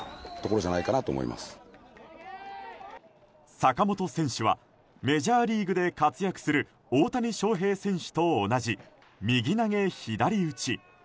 坂本選手は、メジャーリーグで活躍する大谷翔平選手と同じ右投げ左打ち。